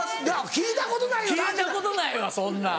聞いたことないわそんなん。